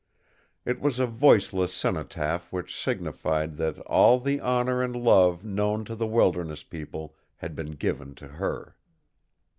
It was a voiceless cenotaph which signified that all the honor and love known to the wilderness people had been given to her.